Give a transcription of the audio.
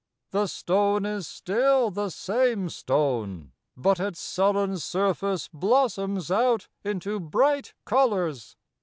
The stone is still the same stone ; but its sullen surface blossoms out into bright colours.